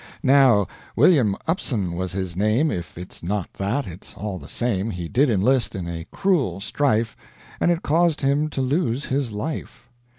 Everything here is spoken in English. Now, William Upson was his name If it's not that, it's all the same He did enlist in a cruel strife, And it caused him to lose his life.